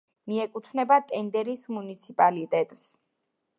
მიეკუთვნება ტენდერის მუნიციპალიტეტს.